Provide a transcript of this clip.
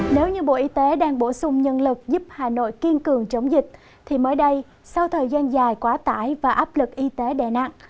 nếu như bộ y tế đang bổ sung nhân lực giúp hà nội kiên cường chống dịch thì mới đây sau thời gian dài quá tải và áp lực y tế đè nặng